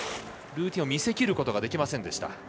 ルーティンを見せきることができませんでした。